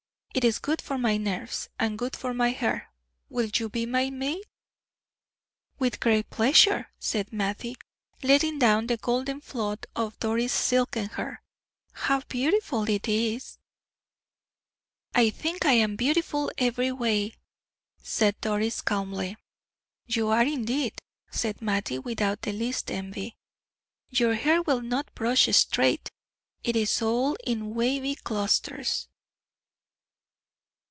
It is good for my nerves, and good for my hair. Will you be my maid?" "With great pleasure," said Mattie, letting down the golden flood of Doris' silken hair. "How beautiful it is!" "I think I am beautiful every way," said Doris, calmly. "You are, indeed," said Mattie, without the least envy. "Your hair will not brush straight! It is all in wavy clusters."